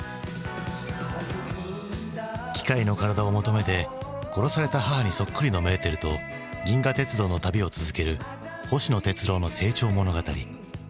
機械の体を求めて殺された母にそっくりのメーテルと銀河鉄道の旅を続ける星野鉄郎の成長物語。